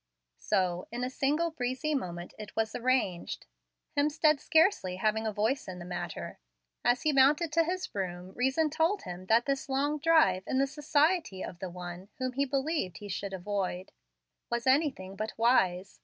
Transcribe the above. So, in a single breezy moment, it was arranged, Hemstead scarcely having a voice in the matter. As he mounted to his room, reason told him that this long drive in the society of the one whom he believed he should avoid, for her sake as well as his own, was anything but wise.